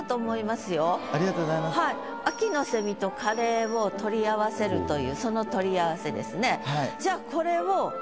「秋の蝉」と「カレー」を取り合わせるというその取り合わせですね。